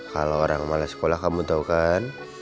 kalo orang males sekolah kamu tau kan